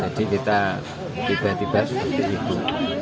jadi kita tiba tiba seperti itu